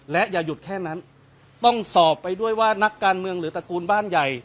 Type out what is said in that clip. และอย่าหยุดแค่นั้นต้องสอบไปด้วยว่านักการเมืองหรือตระกูลบ้านใหญ่